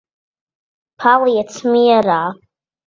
Paliec mierā.